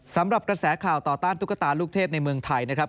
สำหรับกระแสข่าวต่อต้านตุ๊กตาลูกเทพในเมืองไทยนะครับ